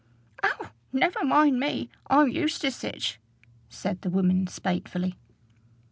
"Oh! never mind me: I'm used to sich," said the woman spitefully.